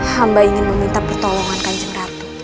hamba ingin meminta pertolongan kanjeng ratu